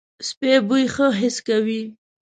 سپي بوی ښه حس کوي.